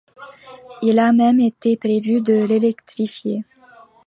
Il a même été prévu de l'électrifier.